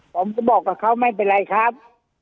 ผมก็บอกกับเขาไม่เป็นไรครับ